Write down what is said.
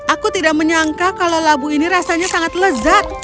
aku tidak menyangka kalau labu ini rasanya sangat lezat